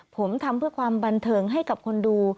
ผมทำเพื่อความบันเทิงให้กับคนดู